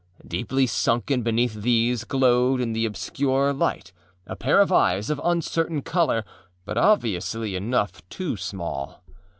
Deeply sunken beneath these, glowed in the obscure light a pair of eyes of uncertain color, but obviously enough too small.